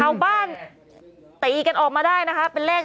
ชาวบ้านตีกันออกมาได้นะคะเป็นเลข